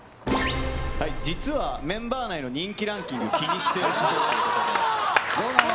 実はメンバー内の人気ランキング気にしてるっぽいと。